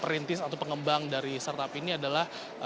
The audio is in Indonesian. perintis atau pengembang dari startup ini adalah